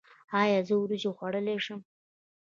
ایا زه وریجې خوړلی شم؟